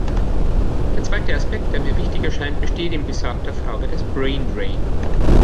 Der zweite Aspekt, der mir wichtig erscheint, besteht in besagter Frage des "brain drain".